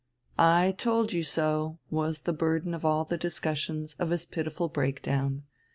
"I told you so," was the burden of all the discussions of his pitiful break down.